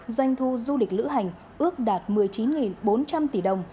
doanh thu du lịch lữ hành ước đạt một mươi chín bốn trăm linh tỷ đồng